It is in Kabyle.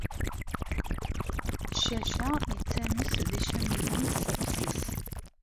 Ccac-a yettames d icamiḍen s tefses.